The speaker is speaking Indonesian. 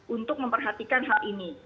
untuk memperhatikan hal ini